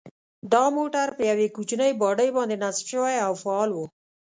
دا موټر په یوې کوچنۍ باډۍ باندې نصب شوی او فعال و.